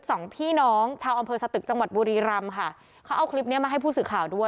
สองพี่น้องชาวอำเภอสตึกจังหวัดบุรีรำค่ะเขาเอาคลิปเนี้ยมาให้ผู้สื่อข่าวด้วย